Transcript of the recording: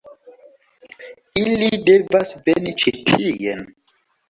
Ili devas veni ĉi tien.